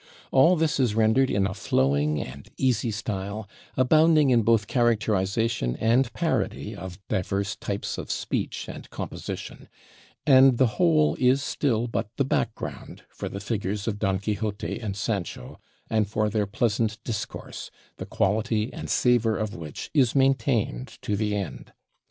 All this is rendered in a flowing and easy style, abounding in both characterization and parody of diverse types of speech and composition; and the whole is still but the background for the figures of Don Quixote and Sancho, and for their pleasant discourse, the quality and savor of which is maintained to the end.